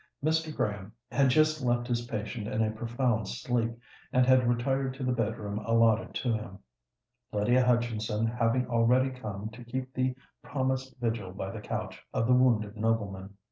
Mr. Graham had just left his patient in a profound sleep, and had retired to the bed room allotted to him, Lydia Hutchinson having already come to keep the promised vigil by the couch of the wounded nobleman.